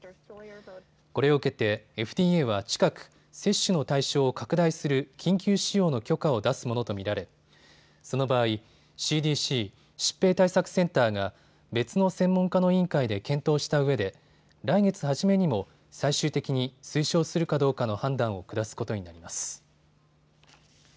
これを受けてＦＤＡは近く、接種の対象を拡大する緊急使用の許可を出すものと見られその場合、ＣＤＣ・疾病対策センターが別の専門家の委員会で検討したうえで来月初めにも最終的に推奨するかどうかの判断を下すことになります。